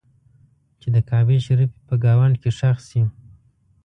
چې د کعبې شریفې په ګاونډ کې ښخ شي.